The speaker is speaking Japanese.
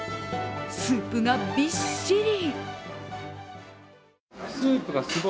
スープがびっしり。